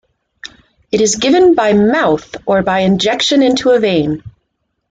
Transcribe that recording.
It is given by mouth or by injection into a vein.